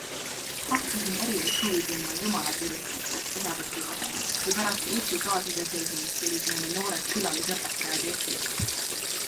Hakkasin erilist huvi tundma jumalateenistustest osavõtu vastu, kui pärast Eesti taasiseseisvumist tulid meile noored külalisõpetajad Eestist.